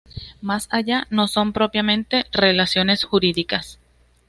Más allá no son propiamente relaciones jurídicas.